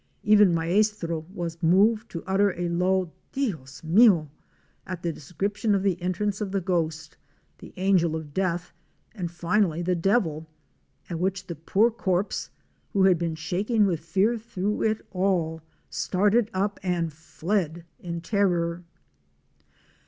Even Maestro was moved to utter a low "Dios mio!" at the description of the entrance of the ghost, the angel of death and finally the devil; at which the poor corpse, who had been shaking with fear through it all, started up and fled in terror.